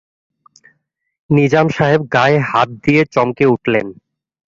নিজাম সাহেব গায়ে হাত দিয়ে চমকে উঠলেন।